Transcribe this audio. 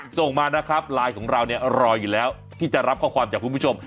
ส่งมานะครับไลน์ของเราเนี่ยรออยู่แล้วที่จะรับข้อความจากคุณผู้ชม